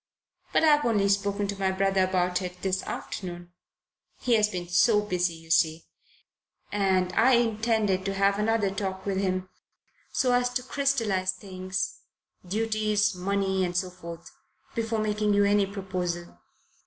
But I've only spoken to my brother about it this afternoon he has been so busy, you see and I intended to have another talk with him, so as to crystallize things duties, money, and so forth before making you any proposal.